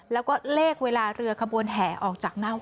แล้วก็เลขเวลาเรือขบวนแห่ออกจากหน้าวัด